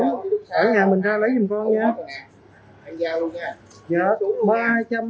ở nhà mình ra lấy dùm con nha